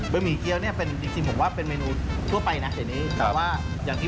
บะหมี่เกี้ยวเนี่ยเป็นจริงผมว่าเป็นเมนูทั่วไปนะเดี๋ยวนี้